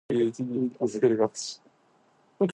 本日はありがとうございました。